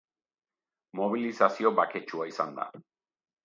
Mobilizazio baketsua izan da.